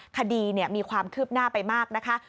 คดีมีความคืบหน้าไปมากนะคะ